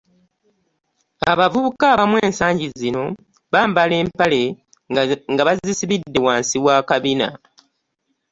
Abavubuka abamu ensagi zino bambala empale ngabazisibidde wansi wakabina.